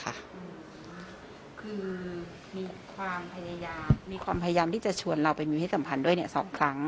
คือมีความพยายามมีความพยายามที่จะชวนเราไปมีให้สัมพันธ์ด้วย๒ครั้ง